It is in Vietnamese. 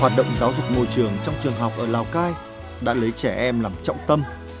hoạt động giáo dục môi trường trong trường học ở lào cai đã lấy trẻ em làm trọng tâm